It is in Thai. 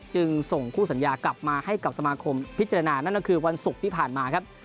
จึงส่งคู่สัญญากลับมาให้กับสมาคมพิจารณานั่นก็คือวันศุกร์ที่ผ่านมาครับ